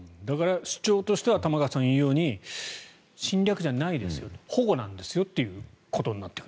だから主張としては玉川さんが言うように侵略じゃないですよ保護じゃないですよと。